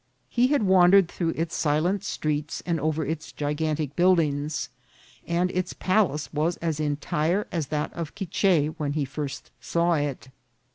He had wandered through its silent streets and over its gigantic buildings, and its palace was as entire as that of Quichfe when he first saw it.